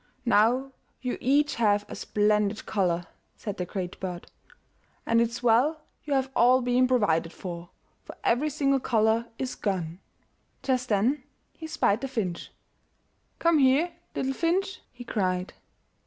"Now you each have a splendid color," said the Great Bird, "and it's well you have all been provided for, for every single color is gone." Just then he spied the finch. "Come here, little finch," he cried.